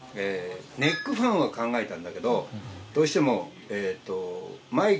ネックファンは考えたんだけどどうしても。